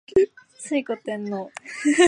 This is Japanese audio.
推古天皇